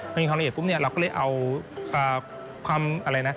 มันมีความละเอียดปุ๊บเนี่ยเราก็เลยเอาความอะไรนะ